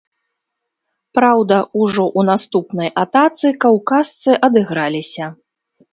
Праўда, ужо ў наступнай атацы каўказцы адыграліся.